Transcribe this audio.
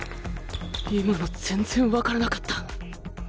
今の全然分からなかった